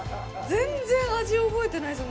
全然、味覚えてないです